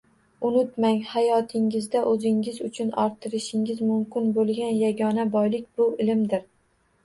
Unutmang, hayotingizda o’zingiz uchun orttirishingiz mumkin bo’lgan yagona boylik bu ilmdir